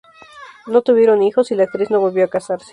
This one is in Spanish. No tuvieron hijos, y la actriz no volvió a casarse.